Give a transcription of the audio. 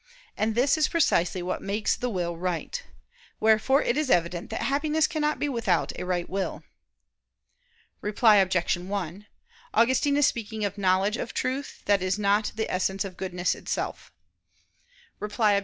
And this is precisely what makes the will right. Wherefore it is evident that Happiness cannot be without a right will. [Reply Obj. 1: Augustine is speaking of knowledge of truth that is not the essence of goodness itself.] Reply Obj.